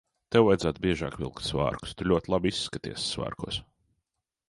Tev vajadzētu biežāk vilkt svārkus. Tu ļoti labi izskaties svārkos.